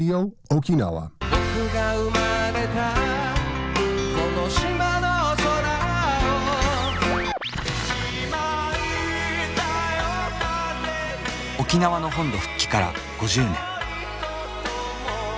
沖縄の本土復帰から５０年。